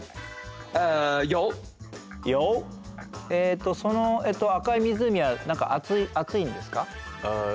えとその赤い湖は何か熱いんですか？